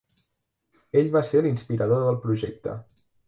Ell va ser l'inspirador del projecte.